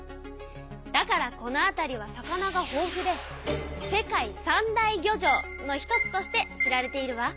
だからこの辺りは魚がほうふで世界三大漁場の一つとして知られているわ。